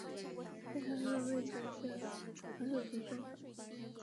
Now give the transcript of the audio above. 朗瓦尔是位于美国加利福尼亚州门多西诺县的一个非建制地区。